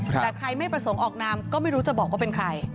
แต่ใครไม่ประสงค์ออกนามก็ไม่รู้จะบอกว่าเป็นใคร